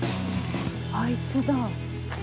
あいつだ。